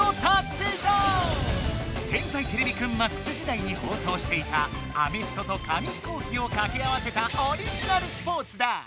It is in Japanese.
「天才てれびくんＭＡＸ」時だいに放送していたアメフトと紙飛行機をかけ合わせたオリジナルスポーツだ！